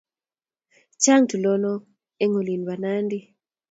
Chang' tulonok eng' olin po Nandi.